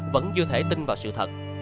vẫn chưa thể tin vào sự thật